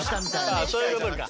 あそういうことか。